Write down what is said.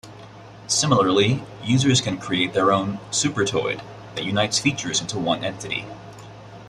Similarly, users can create their own "supertoid" that unites features into one entity.